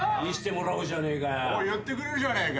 言ってくれるじゃねえか。